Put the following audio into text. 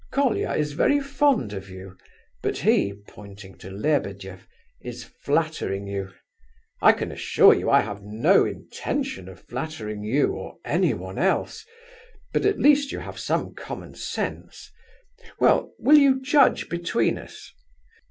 "Colia is very fond of you, but he," pointing to Lebedeff, "is flattering you. I can assure you I have no intention of flattering you, or anyone else, but at least you have some common sense. Well, will you judge between us?